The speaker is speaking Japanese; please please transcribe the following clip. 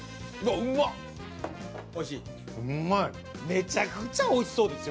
めちゃくちゃおいしそうですよ